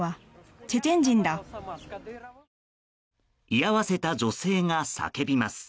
居合わせた女性が叫びます。